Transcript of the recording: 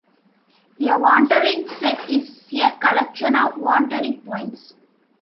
A wandering set is a collection of wandering points.